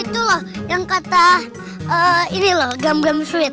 itulah yang kata ee inilah gam gam sweet